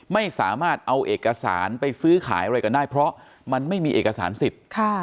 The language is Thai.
ไม่สามารถเอาเอกสารไปซื้อขายอะไรกันได้เพราะมันไม่มีเอกสารสิทธิ์